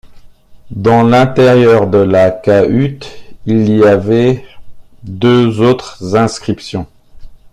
Dans l’intérieur de la cahute il y avait deux autres inscriptions.